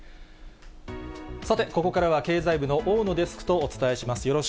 さて、ここからは経済部の大野デスクとお伝えします。